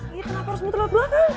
kenapa harus ngeliat belakang